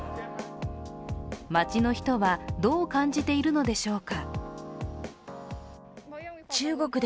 街の人はどう感じているのでしょうか。